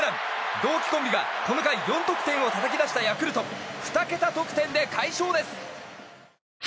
同期コンビがこの回４得点をたたき出したヤクルト２桁得点で快勝です！